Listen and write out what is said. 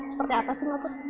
seperti apa sih mbak put